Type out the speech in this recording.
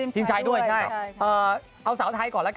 ทีมชายด้วยใช่เอาสาวไทยก่อนแล้วกัน